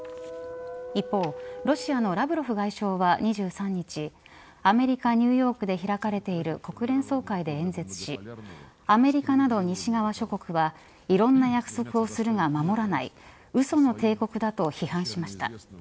一方、ロシアのラブロフ外相は２３日アメリカ・ニューヨークで開かれている国連総会で演説しアメリカなど西側諸国はいろんな約束をするが守らないうその帝国だと批判しました。